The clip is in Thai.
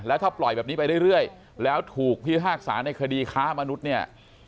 แล้วถ้าปล่อยแบบนี้ไปเรื่อยแล้วถูกพิพากษาในคดีค้ามนุษย์เนี่ย